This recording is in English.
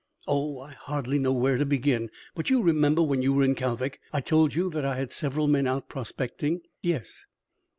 Oh, I hardly know where to begin! But you remember when you were in Kalvik I told you that I had several men out prospecting?" "Yes."